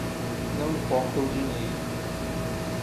Não importa o dinheiro.